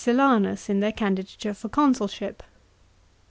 Silanus in their candi dature for consulship.